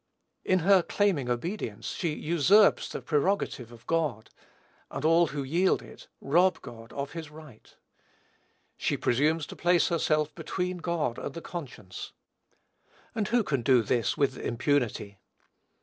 In her claiming obedience, she usurps the prerogative of God; and all who yield it, rob God of his right. She presumes to place herself between God and the conscience; and who can do this with impunity?